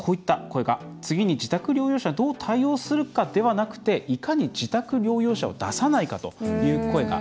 次に自宅療養者にどう対応するかではなくていかに自宅療養者を出さないかという声が。